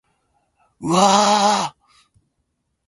わあああああああ